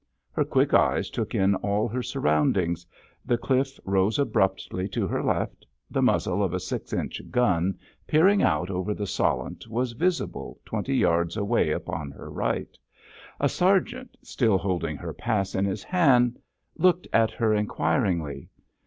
Her quick eyes took in all her surroundings; the cliff rose abruptly to her left; the muzzle of a six inch gun peering out over the Solent was visible twenty yards away upon her right. A sergeant, still holding her pass in his hand, looked at her inquiringly.